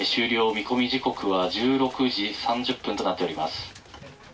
見込み時刻は１６時３０分となっております。